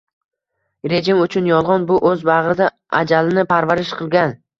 Rejim uchun yolg‘on – bu o‘z bag‘rida ajalini parvarish qilgan